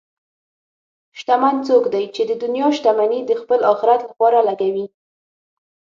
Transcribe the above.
شتمن څوک دی چې د دنیا شتمني د خپل آخرت لپاره لګوي.